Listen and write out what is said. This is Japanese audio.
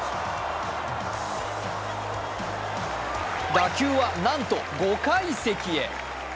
打球はなんと５階席へ。